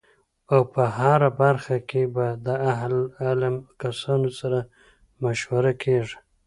او په هره برخه کی به د اهل علم کسانو سره مشوره کیږی